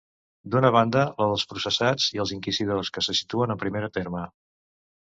D'una banda la dels processats i els inquisidors, que se situen en primer terme.